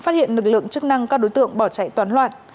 thức năng các đối tượng bỏ chạy toàn loạn